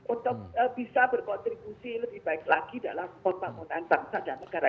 untuk bisa berkontribusi lebih baik lagi dalam pembangunan bangsa dan negara